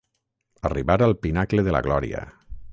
Arribar al pinacle de la glòria.